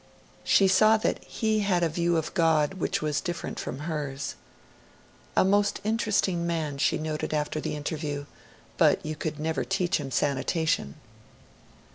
She saw that he had a view of God which was different from hers. 'A most interesting man,' she noted after the interview; 'but you could never teach him sanitation.'